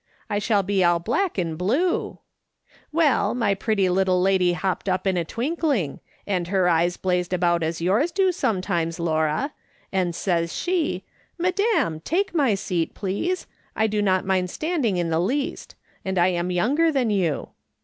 I shall be all black and blue !' Well, my pretty little lady hopped up in a twinkling, and her eyes blazed about as yours do sometimes, Laura, and l86 MRS. SOLOMON SMITH LOOKING ON. says she, ' Madam, take my seat, please ; I do not mind standing in the least ; and I am younger than you.'